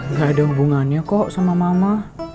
nggak ada hubungannya kok sama mama